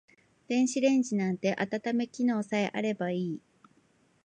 電子レンジなんて温め機能さえあればいい